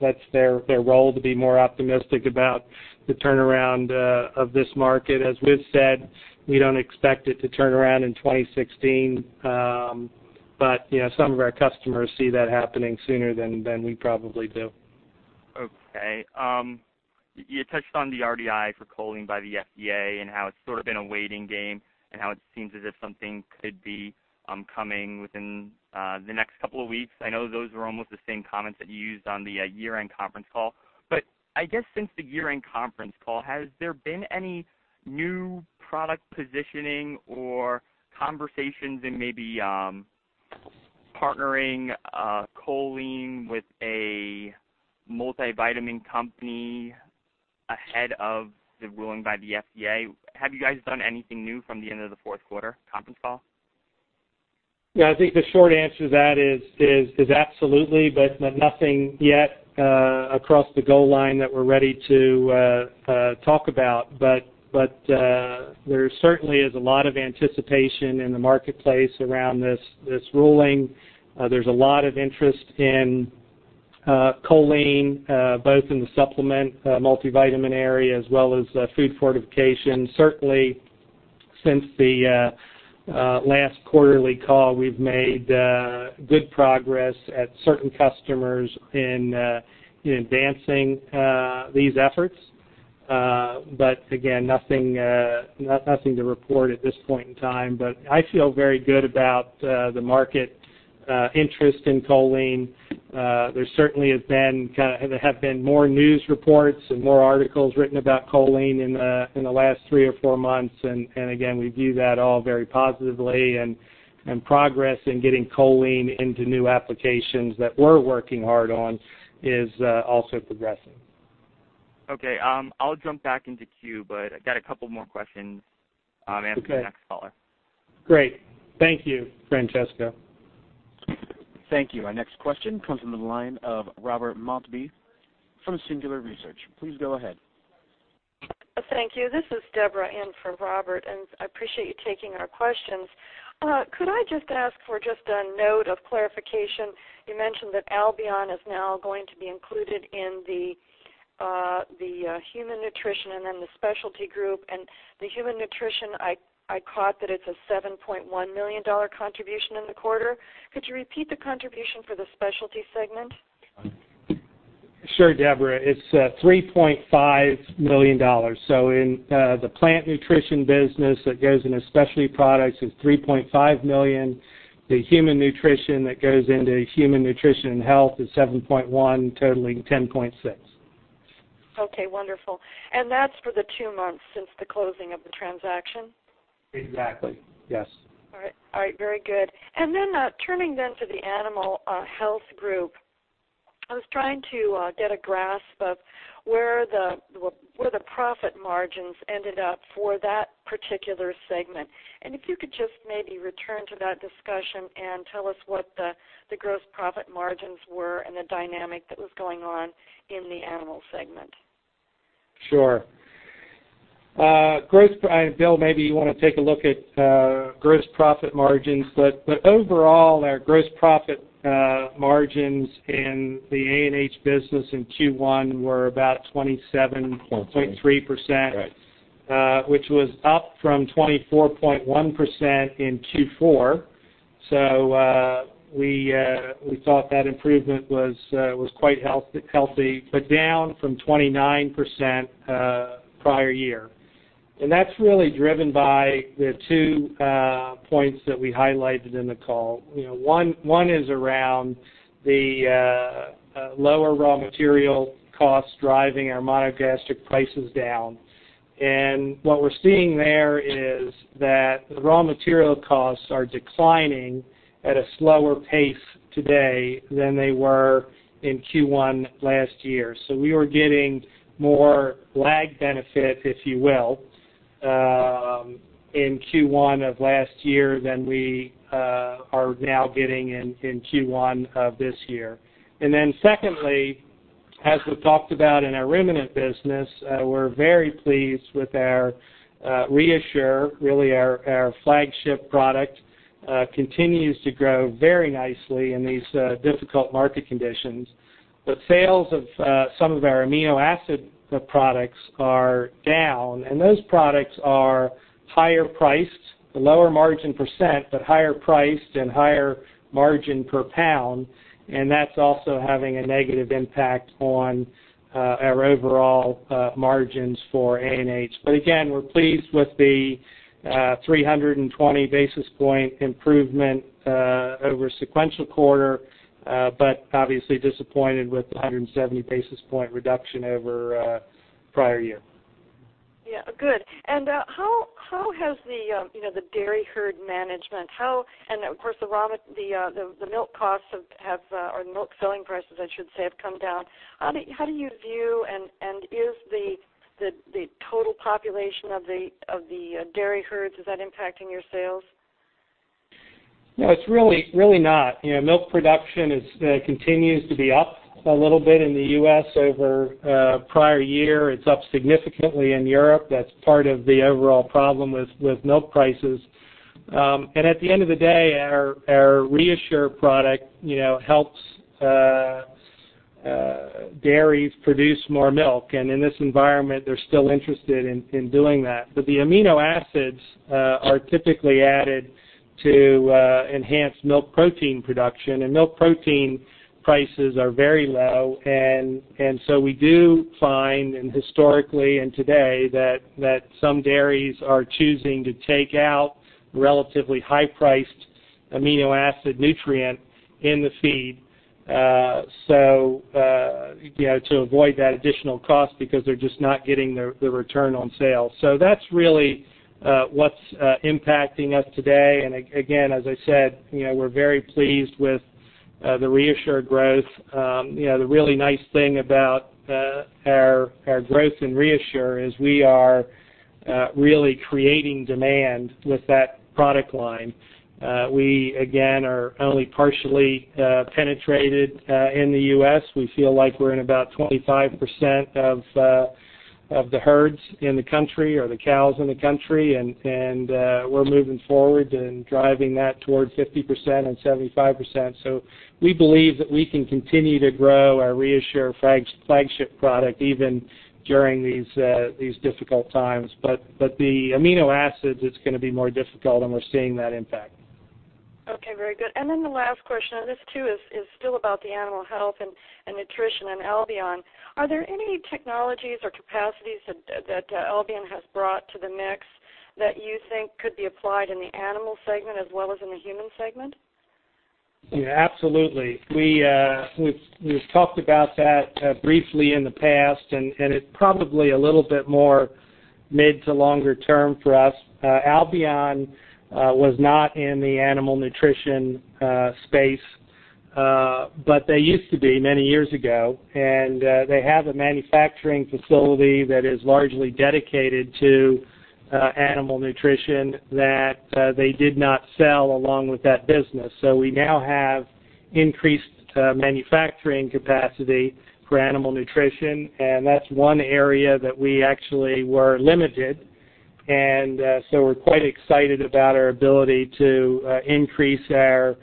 that's their role, to be more optimistic about the turnaround of this market. As we've said, we don't expect it to turn around in 2016. Some of our customers see that happening sooner than we probably do. Okay. You touched on the RDI for choline by the FDA and how it's sort of been a waiting game, how it seems as if something could be coming within the next couple of weeks. I know those were almost the same comments that you used on the year-end conference call. I guess since the year-end conference call, has there been any new product positioning or conversations in maybe partnering choline with a multivitamin company ahead of the ruling by the FDA? Have you guys done anything new from the end of the fourth quarter conference call? I think the short answer to that is absolutely, nothing yet across the goal line that we're ready to talk about. There certainly is a lot of anticipation in the marketplace around this ruling. There's a lot of interest in choline, both in the supplement multivitamin area as well as food fortification. Certainly, since the last quarterly call, we've made good progress at certain customers in advancing these efforts. Again, nothing to report at this point in time. I feel very good about the market interest in choline. There certainly have been more news reports and more articles written about choline in the last three or four months. Again, we view that all very positively, and progress in getting choline into new applications that we're working hard on is also progressing. Okay. I'll jump back into queue, but I've got a couple more questions- Okay maybe for the next caller. Great. Thank you, Francesco. Thank you. Our next question comes from the line of Robert Maltbie from Singular Research. Please go ahead. Thank you. This is Debra in for Robert, and I appreciate you taking our questions. Could I just ask for just a note of clarification? You mentioned that Albion is now going to be included in the human nutrition and then the specialty group. The human nutrition, I caught that it's a $7.1 million contribution in the quarter. Could you repeat the contribution for the specialty segment? Sure, Debra. It's $3.5 million. In the plant nutrition business, that goes into specialty products is $3.5 million. The human nutrition that goes into Human Nutrition & Health is $7.1, totaling $10.6. Okay, wonderful. That's for the two months since the closing of the transaction? Exactly, yes. Turning then to the Animal Health group, I was trying to get a grasp of where the profit margins ended up for that particular segment. If you could just maybe return to that discussion and tell us what the gross profit margins were and the dynamic that was going on in the animal segment. Sure. Bill, maybe you want to take a look at gross profit margins. Overall, our gross profit margins in the ANH business in Q1 were about 27.3%. Right. Which was up from 24.1% in Q4. We thought that improvement was quite healthy, but down from 29% prior year. That's really driven by the two points that we highlighted in the call. One is around the lower raw material costs driving our monogastric prices down. What we're seeing there is that the raw material costs are declining at a slower pace today than they were in Q1 last year. We were getting more lag benefit in Q1 of last year than we are now getting in Q1 of this year. Secondly, as we've talked about in our ruminant business, we're very pleased with our ReaShure, really our flagship product, continues to grow very nicely in these difficult market conditions. The sales of some of our amino acid products are down, and those products are higher priced, lower margin percent, but higher priced and higher margin per pound, and that's also having a negative impact on our overall margins for A&H. Again, we're pleased with the 320 basis point improvement over sequential quarter, but obviously disappointed with the 170 basis point reduction over prior year. Yeah. Good. How has the dairy herd management, how, and of course, the milk costs have, or milk selling prices, I should say, have come down. How do you view and is the total population of the dairy herds, is that impacting your sales? No, it's really not. Milk production continues to be up a little bit in the U.S. over prior year. It's up significantly in Europe. That's part of the overall problem with milk prices. At the end of the day, our ReaShure product helps dairies produce more milk, and in this environment, they're still interested in doing that. The amino acids are typically added to enhance milk protein production, and milk protein prices are very low. We do find, and historically and today, that some dairies are choosing to take out relatively high-priced amino acid nutrient in the feed to avoid that additional cost because they're just not getting the return on sale. That's really what's impacting us today. Again, as I said, we're very pleased with the ReaShure growth. The really nice thing about our growth in ReaShure is we are really creating demand with that product line. We, again, are only partially penetrated in the U.S. We feel like we're in about 25% of the herds in the country or the cows in the country, and we're moving forward and driving that toward 50% and 75%. We believe that we can continue to grow our ReaShure flagship product even during these difficult times. The amino acids, it's going to be more difficult, and we're seeing that impact. Okay, very good. The last question, and this, too, is still about the animal health and nutrition and Albion. Are there any technologies or capacities that Albion has brought to the mix that you think could be applied in the animal segment as well as in the human segment? Yeah, absolutely. We've talked about that briefly in the past, and it probably a little bit more mid to longer term for us. Albion was not in the animal nutrition space, but they used to be many years ago, and they have a manufacturing facility that is largely dedicated to animal nutrition that they did not sell along with that business. We now have increased manufacturing capacity for animal nutrition, and that's one area that we actually were limited. We're quite excited about our ability to increase our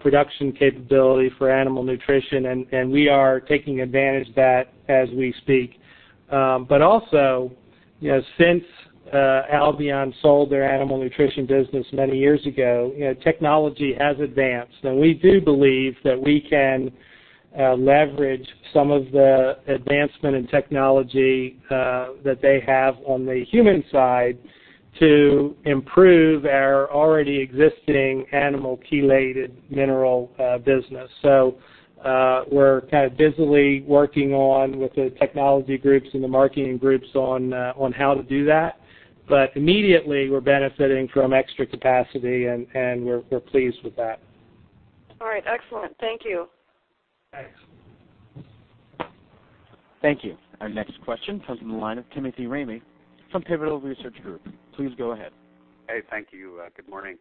production capability for animal nutrition, and we are taking advantage of that as we speak. Also, since Albion sold their animal nutrition business many years ago, technology has advanced. We do believe that we can leverage some of the advancement in technology that they have on the human side to improve our already existing animal chelated mineral business. We're kind of busily working on with the technology groups and the marketing groups on how to do that. Immediately, we're benefiting from extra capacity and we're pleased with that. All right. Excellent. Thank you. Thanks. Thank you. Our next question comes from the line of Timothy Ramey from Pivotal Research Group. Please go ahead. Hey, thank you. Good morning.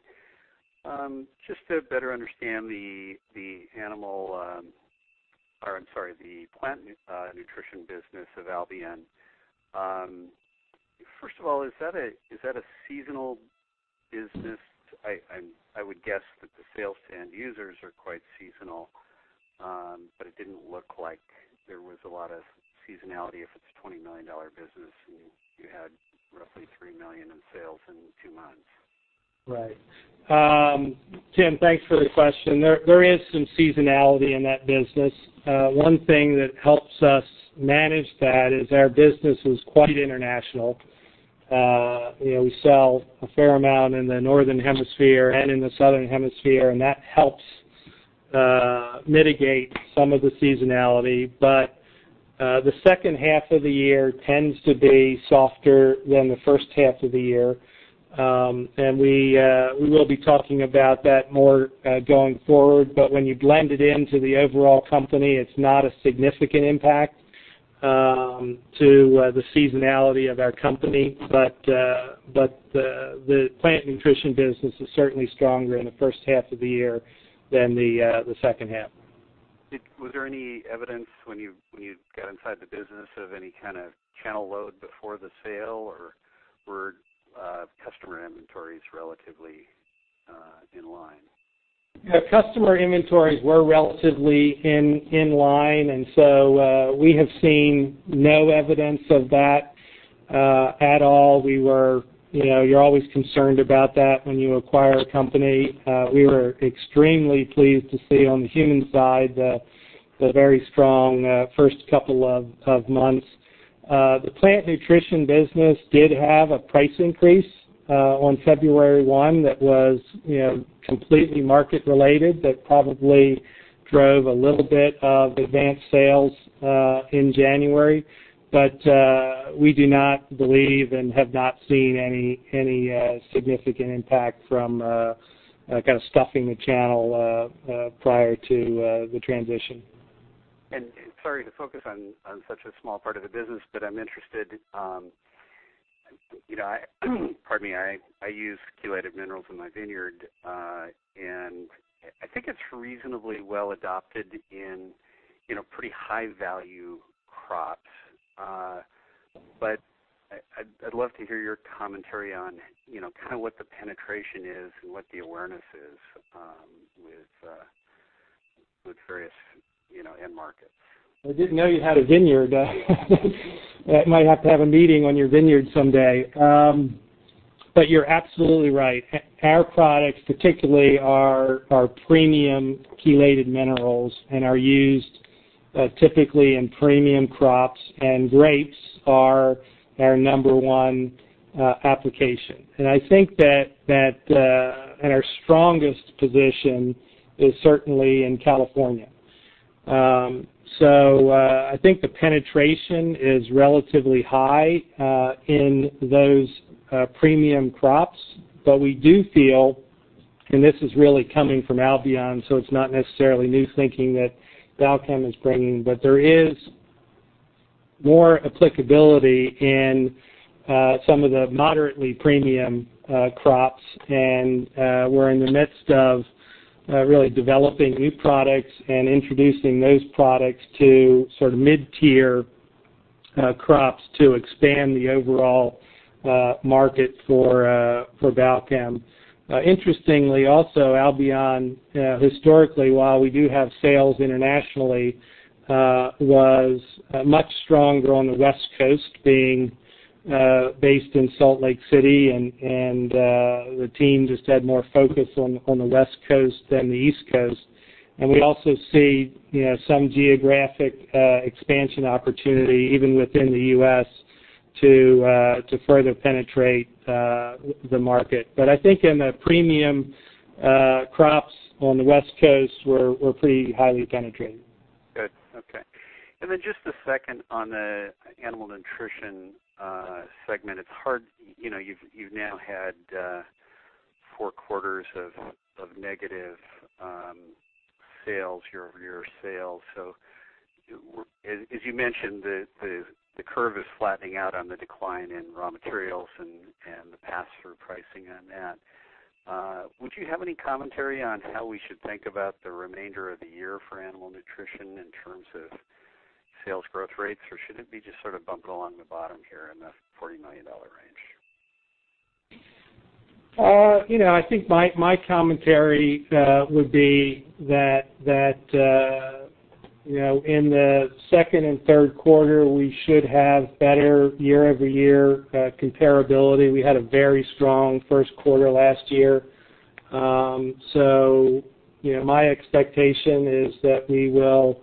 Just to better understand the plant nutrition business of Albion. First of all, is that a seasonal business? I would guess that the sales to end users are quite seasonal, it didn't look like there was a lot of seasonality if it's a $20 million business, and you had roughly $3 million in sales in two months. Right. Tim, thanks for the question. There is some seasonality in that business. One thing that helps us manage that is our business is quite international. We sell a fair amount in the Northern Hemisphere and in the Southern Hemisphere, that helps mitigate some of the seasonality. The second half of the year tends to be softer than the first half of the year. We will be talking about that more going forward. When you blend it into the overall company, it's not a significant impact to the seasonality of our company. The plant nutrition business is certainly stronger in the first half of the year than the second half. Was there any evidence when you got inside the business of any kind of channel load before the sale, or were customer inventories relatively in line? Yeah. Customer inventories were relatively in line, we have seen no evidence of that at all. You're always concerned about that when you acquire a company. We were extremely pleased to see on the human side, the very strong first couple of months. The plant nutrition business did have a price increase on February 1 that was completely market-related, that probably drove a little bit of advanced sales in January. We do not believe and have not seen any significant impact from stuffing the channel prior to the transition. Sorry to focus on such a small part of the business, but I'm interested. I use chelated minerals in my vineyard, and I think it's reasonably well adopted in pretty high-value crops. I'd love to hear your commentary on what the penetration is and what the awareness is with various end markets. I didn't know you had a vineyard. Might have to have a meeting on your vineyard someday. You're absolutely right. Our products particularly are premium chelated minerals and are used typically in premium crops, and grapes are our number one application. I think that our strongest position is certainly in California. I think the penetration is relatively high in those premium crops. We do feel, and this is really coming from Albion, so it's not necessarily new thinking that Balchem is bringing, but there is more applicability in some of the moderately premium crops. We're in the midst of really developing new products and introducing those products to mid-tier crops to expand the overall market for Balchem. Interestingly, also, Albion historically, while we do have sales internationally, was much stronger on the West Coast, being based in Salt Lake City, and the team just had more focus on the West Coast than the East Coast. We also see some geographic expansion opportunity, even within the U.S., to further penetrate the market. I think in the premium crops on the West Coast, we're pretty highly penetrated. Good. Okay. Then just a second on the animal nutrition segment. It's hard, you've now had 4 quarters of negative sales, year-over-year sales. As you mentioned the curve is flattening out on the decline in raw materials and the pass-through pricing on that. Would you have any commentary on how we should think about the remainder of the year for animal nutrition in terms of sales growth rates, or should it be just sort of bumping along the bottom here in the $40 million range? My commentary would be that in the second and third quarter, we should have better year-over-year comparability. We had a very strong first quarter last year. My expectation is that we will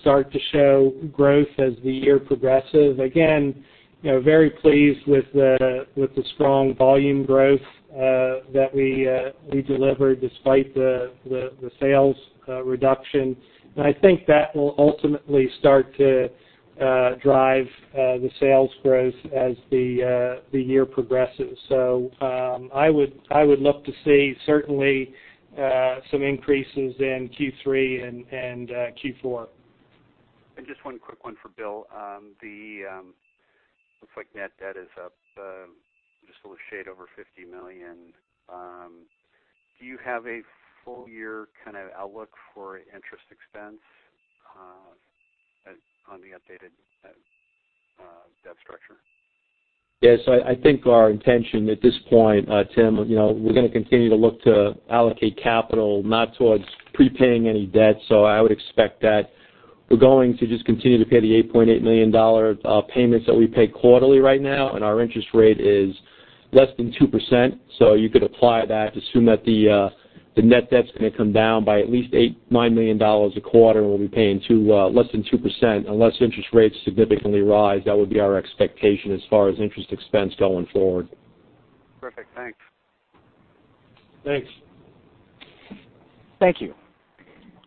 start to show growth as the year progresses. Again, very pleased with the strong volume growth that we delivered despite the sales reduction. I think that will ultimately start to drive the sales growth as the year progresses. I would look to see certainly some increases in Q3 and Q4. Just one quick one for Bill. It looks like net debt is up just a shade over $50 million. Do you have a full-year outlook for interest expense on the updated debt structure? Yes. I think our intention at this point, Tim, we're going to continue to look to allocate capital, not towards prepaying any debt. I would expect that we're going to just continue to pay the $8.8 million payments that we pay quarterly right now, and our interest rate is less than 2%. You could apply that, assume that the net debt's going to come down by at least $8 million, $9 million a quarter, and we'll be paying less than 2%, unless interest rates significantly rise. That would be our expectation as far as interest expense going forward. Perfect. Thanks. Thanks. Thank you.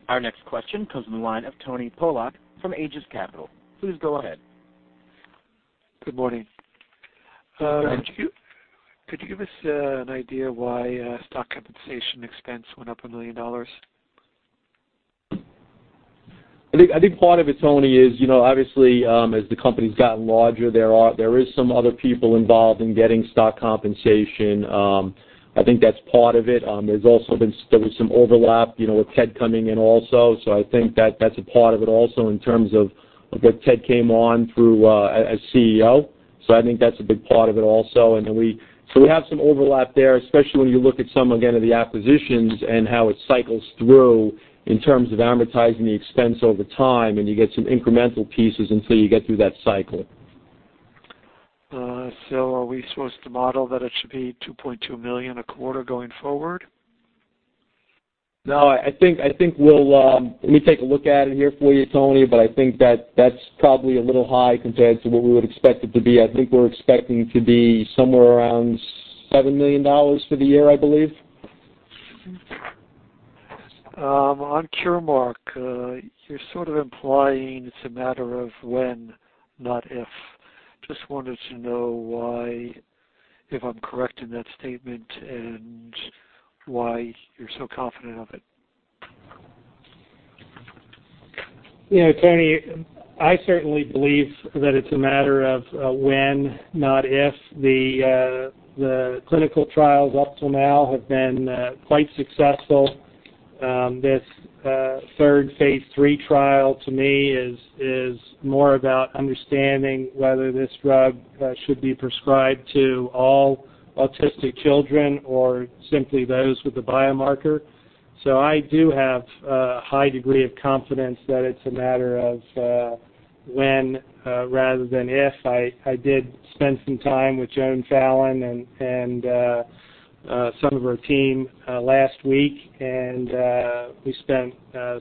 Our next question comes from the line of Tony Polak from Aegis Capital. Please go ahead. Good morning. Good morning. Could you give us an idea why stock compensation expense went up $1 million? I think part of it, Tony, is obviously as the company's gotten larger, there is some other people involved in getting stock compensation. I think that's part of it. There's also been some overlap, with Ted coming in also. I think that's a part of it also in terms of what Ted came on through as CEO. I think that's a big part of it also. We have some overlap there, especially when you look at some, again, of the acquisitions and how it cycles through in terms of amortizing the expense over time, and you get some incremental pieces until you get through that cycle. Are we supposed to model that it should be $2.2 million a quarter going forward? No. Let me take a look at it here for you, Tony, I think that's probably a little high compared to what we would expect it to be. I think we're expecting to be somewhere around $7 million for the year, I believe. On CureMark, you're sort of implying it's a matter of when, not if. Just wanted to know if I'm correct in that statement, and why you're so confident of it. Tony, I certainly believe that it's a matter of when, not if. The clinical trials up till now have been quite successful. This third phase III trial, to me, is more about understanding whether this drug should be prescribed to all autistic children or simply those with the biomarker. I do have a high degree of confidence that it's a matter of when rather than if. I did spend some time with Joan Fallon and some of her team last week, and we spent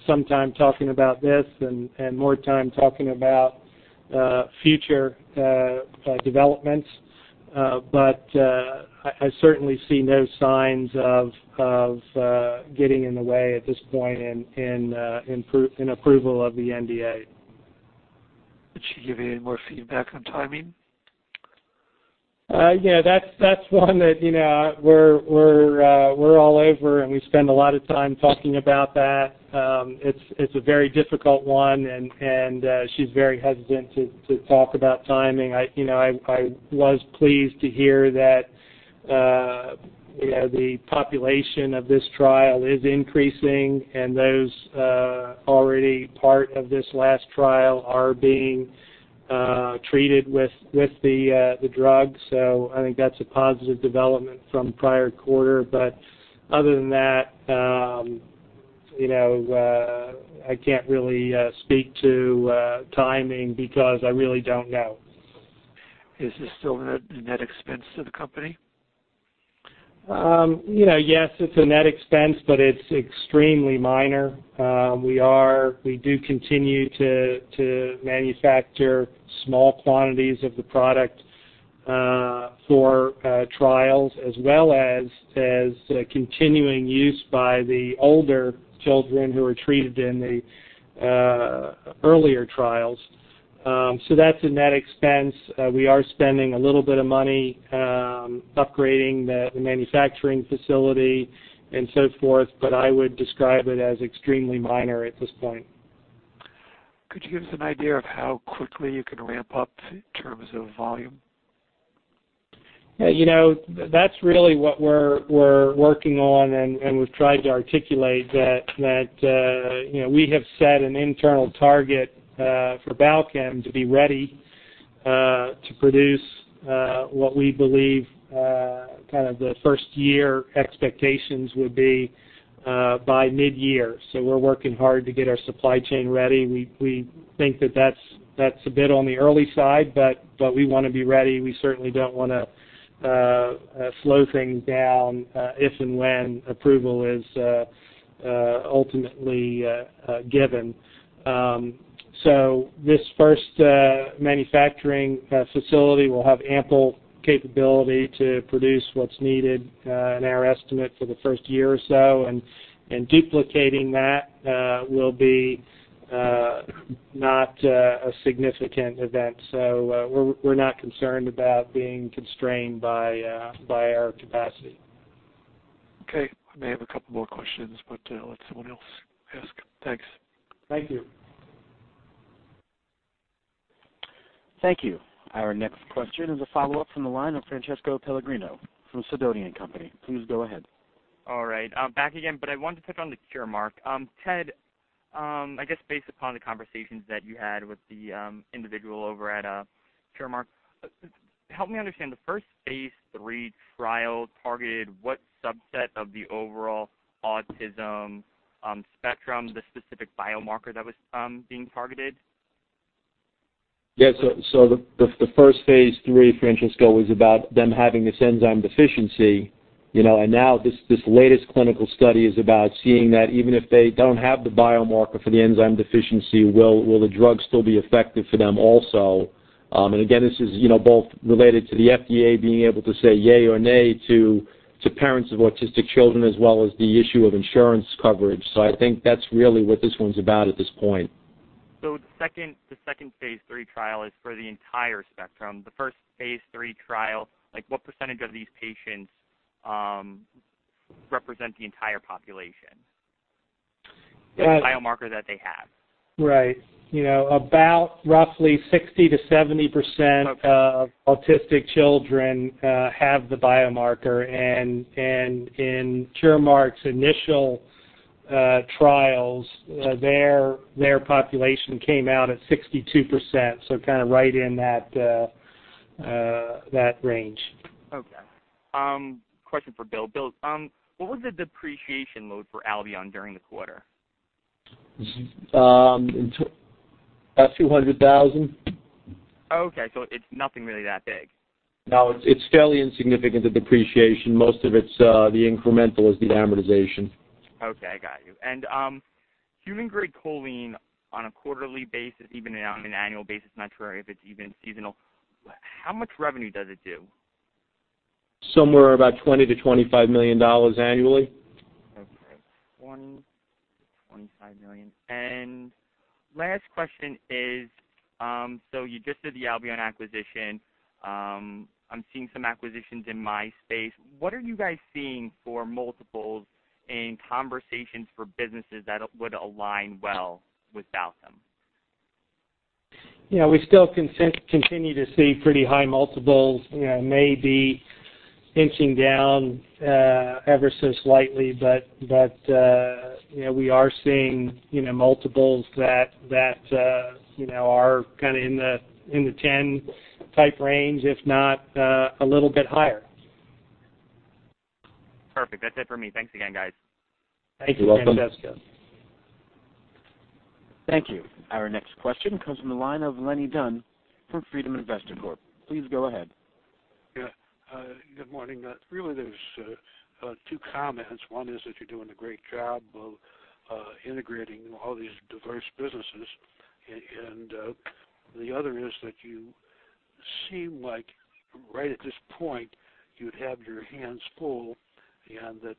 some time talking about this and more time talking about future developments. I certainly see no signs of getting in the way at this point in approval of the NDA. Did she give you any more feedback on timing? Yeah, that's one that we're all over, and we spend a lot of time talking about that. It's a very difficult one, and she's very hesitant to talk about timing. I was pleased to hear that the population of this trial is increasing, and those already part of this last trial are being treated with the drug. I think that's a positive development from prior quarter. Other than that I can't really speak to timing because I really don't know. Is this still a net expense to the company? Yes, it's a net expense, but it's extremely minor. We do continue to manufacture small quantities of the product for trials, as well as continuing use by the older children who were treated in the earlier trials. That's a net expense. We are spending a little bit of money upgrading the manufacturing facility and so forth. I would describe it as extremely minor at this point. Could you give us an idea of how quickly you can ramp up in terms of volume? That's really what we're working on, and we've tried to articulate that we have set an internal target for Balchem to be ready to produce what we believe the first-year expectations would be by mid-year. We're working hard to get our supply chain ready. We think that's a bit on the early side, but we want to be ready. We certainly don't want to slow things down if and when approval is ultimately given. This first manufacturing facility will have ample capability to produce what's needed in our estimate for the first year or so, and duplicating that will be not a significant event. We're not concerned about being constrained by our capacity. Okay. I may have a couple more questions, but I'll let someone else ask. Thanks. Thank you. Thank you. Our next question is a follow-up from the line of Francesco Pellegrino from Sidoti & Company. Please go ahead. All right. Back again. I wanted to touch on the CureMark. Ted, I guess based upon the conversations that you had with the individual over at CureMark, help me understand the first phase III trial targeted what subset of the overall autism spectrum, the specific biomarker that was being targeted? The first phase III, Francesco, was about them having this enzyme deficiency. Now this latest clinical study is about seeing that even if they don't have the biomarker for the enzyme deficiency, will the drug still be effective for them also? Again, this is both related to the FDA being able to say yay or nay to parents of autistic children as well as the issue of insurance coverage. I think that's really what this one's about at this point. The second phase III trial is for the entire spectrum. The first phase III trial, what percentage of these patients represent the entire population? The biomarker that they have. Right. About roughly 60%-70% of autistic children have the biomarker, and in Curemark's initial trials, their population came out at 62%. Kind of right in that range. Okay. Question for Bill. Bill, what was the depreciation load for Albion during the quarter? About $200,000. Okay, it's nothing really that big. No, it's fairly insignificant, the depreciation. Most of it's the incremental is the amortization. Okay. I got you. Human-grade choline on a quarterly basis, even on an annual basis, I'm not sure if it's even seasonal, how much revenue does it do? Somewhere about $20 million to $25 million annually. Okay. $20 million-$25 million. Last question is, you just did the Albion acquisition. I'm seeing some acquisitions in my space. What are you guys seeing for multiples in conversations for businesses that would align well with Balchem? We still continue to see pretty high multiples, maybe inching down ever so slightly. We are seeing multiples that are in the 10 type range, if not a little bit higher. Perfect. That's it for me. Thanks again, guys. Thank you, Francesco. You're welcome. Thank you. Our next question comes from the line of Leonard Dunn from Freedom Investors Corp. Please go ahead. Yeah. Good morning. Really, there's two comments. One is that you're doing a great job of integrating all these diverse businesses, and the other is that you seem like right at this point, you'd have your hands full, and that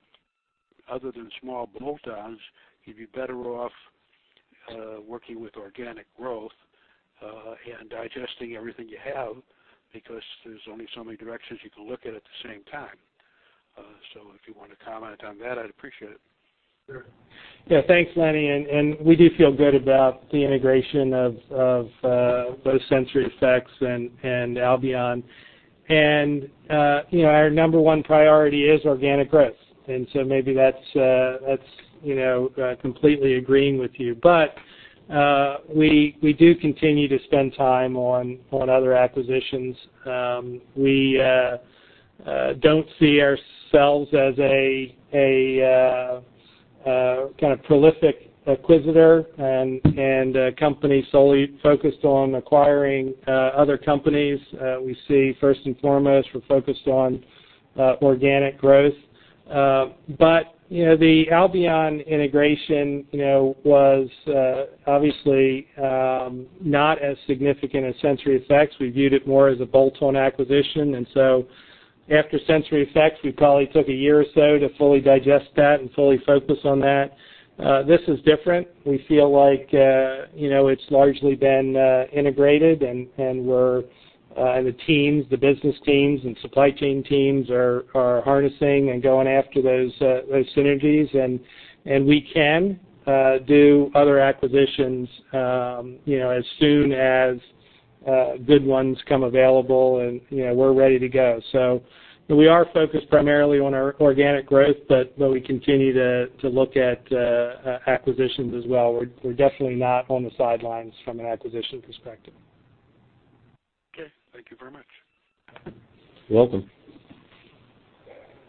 other than small bolt-ons, you'd be better off working with organic growth and digesting everything you have, because there's only so many directions you can look at at the same time. If you want to comment on that, I'd appreciate it. Sure. Yeah, thanks, Lenny. We do feel good about the integration of both SensoryEffects and Albion. Our number one priority is organic growth. Maybe that's completely agreeing with you. We do continue to spend time on other acquisitions. We don't see ourselves as a kind of prolific acquisitor and a company solely focused on acquiring other companies. We see first and foremost, we're focused on organic growth. The Albion integration was obviously not as significant as SensoryEffects. We viewed it more as a bolt-on acquisition. After SensoryEffects, we probably took a year or so to fully digest that and fully focus on that. This is different. We feel like it's largely been integrated, and the business teams and supply chain teams are harnessing and going after those synergies, and we can do other acquisitions as soon as good ones come available, and we're ready to go. We are focused primarily on our organic growth, but we continue to look at acquisitions as well. We're definitely not on the sidelines from an acquisition perspective. Okay. Thank you very much. You're welcome.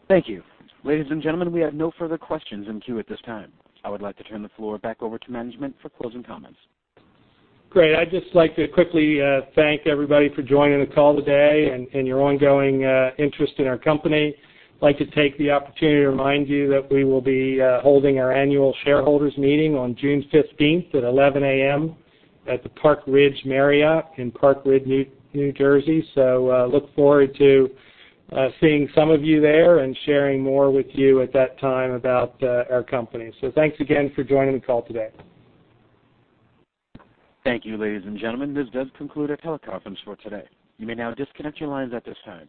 Thank you. Ladies and gentlemen, we have no further questions in queue at this time. I would like to turn the floor back over to management for closing comments. Great. I'd just like to quickly thank everybody for joining the call today and your ongoing interest in our company. I'd like to take the opportunity to remind you that we will be holding our annual shareholders meeting on June 15th at 11:00 A.M. at the Park Ridge Marriott in Park Ridge, New Jersey. Look forward to seeing some of you there and sharing more with you at that time about our company. Thanks again for joining the call today. Thank you, ladies and gentlemen. This does conclude our teleconference for today. You may now disconnect your lines at this time.